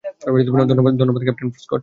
ধন্যবাদ, captain Prescott.